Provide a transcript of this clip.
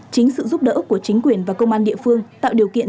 chính sự giúp đỡ của chính quyền và công an địa phương tạo điều kiện